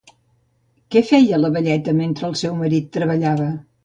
Què va fer la velleta mentre el seu marit treballava?